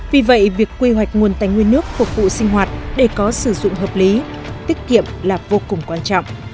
vì vậy việc quy hoạch nguồn tài nguyên nước phục vụ sinh hoạt để có sử dụng hợp lý tiết kiệm là vô cùng quan trọng